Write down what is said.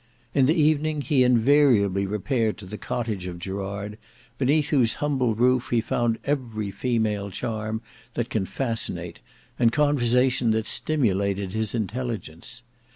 In the evening, he invariably repaired to the cottage of Gerard, beneath whose humble roof he found every female charm that can fascinate, and conversation that stimulated his intelligence.